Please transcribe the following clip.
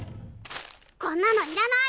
こんなのいらない！